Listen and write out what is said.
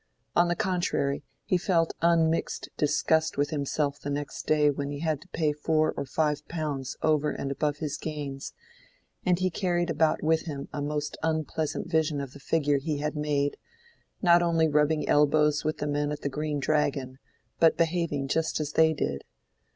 On the contrary, he felt unmixed disgust with himself the next day when he had to pay four or five pounds over and above his gains, and he carried about with him a most unpleasant vision of the figure he had made, not only rubbing elbows with the men at the Green Dragon but behaving just as they did.